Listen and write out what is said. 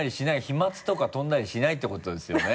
飛沫とか飛んだりしないってことですよね？